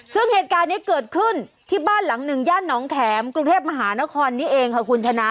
ซึ่งเหตุการณ์นี้เกิดขึ้นที่บ้านหลังหนึ่งย่านน้องแข็มกรุงเทพมหานครนี้เองค่ะคุณชนะ